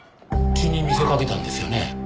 血に見せかけたんですよね？